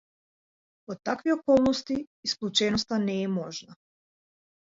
Во такви околности исклученоста не е можна.